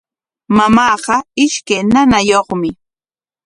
Mamaaqa ishkay ñañayuqmi.